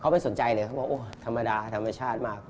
ไม่สนใจเลยเขาบอกโอ้ธรรมดาธรรมชาติมาก